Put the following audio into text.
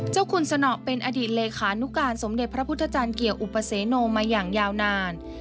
เจ้าคุณสนอเป็นอดีตเลขานุการสมเด็จพระพุทธจารย์เกี่ยวอุปเสโนมาอย่างยาวนาน